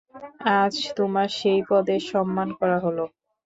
আজ তোমার সেই পদের সম্মান করা হল।